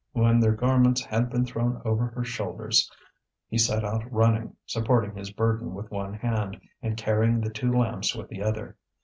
When their garments had been thrown over her shoulders he set out running, supporting his burden with one hand, and carrying the two lamps with the other.